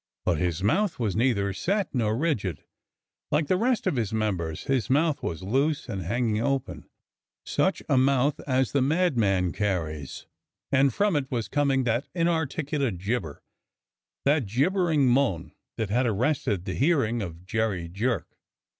But his mouth was neither set nor rigid, like the rest of his members — his mouth was loose and hanging open — such a mouth as the madman carries; and from it was coming that inarticulate gibber, that gibbering moan that had arrested the hearing of Jerry Jerk.